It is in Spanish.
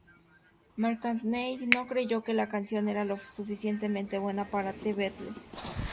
McCartney no creyó que la canción era lo suficientemente buena para The Beatles.